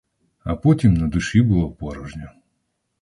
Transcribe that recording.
А потім на душі було порожньо.